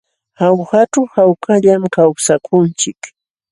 Jaujaćhu hawkallam kawsakunchik.